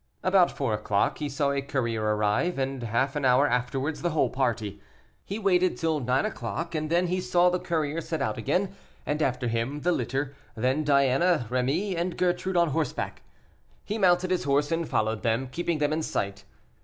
About four o'clock he saw a courier arrive, and half an hour afterwards the whole party. He waited till nine o'clock, and then he saw the courier set out again, and after him the litter, then Diana, Rémy, and Gertrude on horseback. He mounted his horse and followed them, keeping them in sight.